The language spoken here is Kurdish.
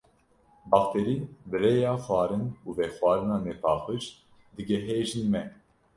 Bakterî bi rêya xwarin û vexwarina nepaqij digihêjin me.